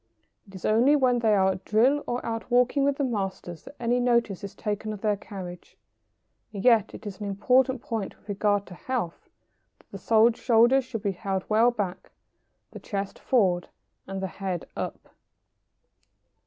It is only when they are at drill or out walking with the masters that any notice is taken of their carriage. And yet it is an important point with regard to health that the shoulders should be held well back, the chest forward, and the head up.